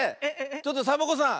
ちょっとサボ子さん